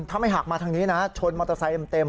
ถ้าไม่หักมาทางนี้นะชนมอเตอร์ไซค์เต็ม